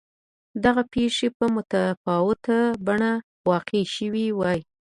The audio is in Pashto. دغه پېښې په متفاوته بڼه واقع شوې وای.